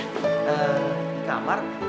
ehm di kamar